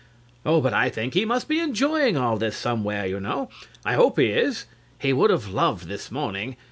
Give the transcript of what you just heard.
CLIFTON. Oh, but I think he must be enjoying all this somewhere, you know. I hope he is. He would have loved this morning.